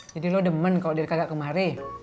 jadi lo demen kalau dia kagak kemari